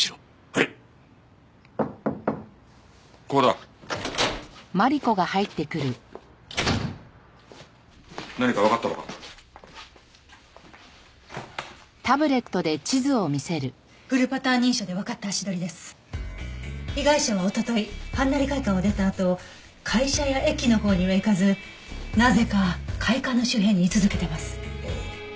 はんなり会館を出たあと会社や駅のほうには行かずなぜか会館の周辺に居続けてます。